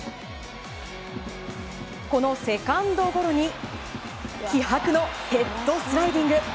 このセカンドゴロに気迫のヘッドスライディング。